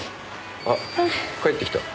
あっ帰ってきた。